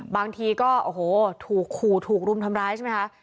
บางทีก็โอ้โหถูกขู่ถูกรุมทำร้ายใช่ไหมคะ